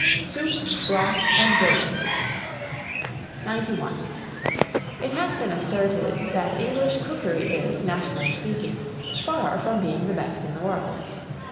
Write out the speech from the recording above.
SOUP, BROTH AND BOUILLON. 91. IT HAS BEEN ASSERTED, that English cookery is, nationally speaking, far from being the best in the world.